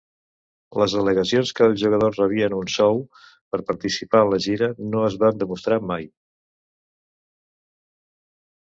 Les al·legacions que els jugadors rebien un sou per participar en la gira no es van demostrar mai.